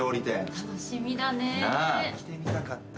楽しみだね。来てみたかったんや。